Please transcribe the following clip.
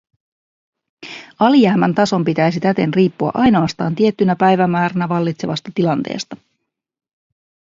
Alijäämän tason pitäisi täten riippua ainoastaan tiettynä päivämääränä vallitsevasta tilanteesta.